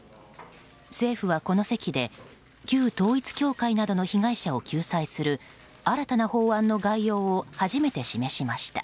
政府はこの席で旧統一教会などの被害者を救済する新たな法案の概要を初めて示しました。